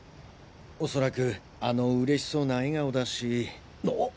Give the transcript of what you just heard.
恐らくあの嬉しそうな笑顔だしあっ！